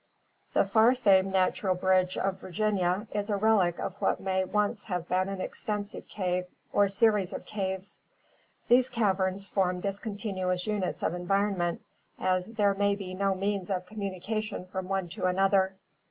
The far famed natural bridge of Virginia is a relic of what may once have been an extensive cave or series of caves. These caverns form discontinuous units of environment, as there may be no means of communication from one to another.